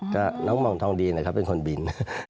ก็น้องเห่าทองดีนะครับเป็นคนบิน